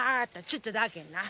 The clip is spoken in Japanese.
ちょっとだけな。